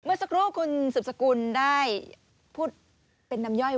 เมื่อสักรูปคุณสุศตรีได้พูดเป็นน้ำยอดไวน